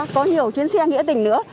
có nhiều chuyến xe nghĩa tình nữa